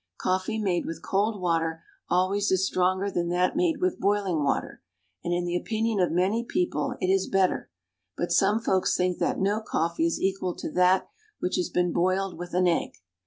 Coffee made with cold water always is stronger than that made with boiling water, and in the opinion of many people it is better; but some folks think that no coffee is equal to that which has been boiled with an egg.